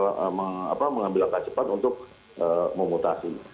langkah cepat untuk memutasi